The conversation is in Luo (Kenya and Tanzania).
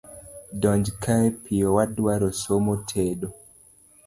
Donjkae piyo wadwaro somo tedo.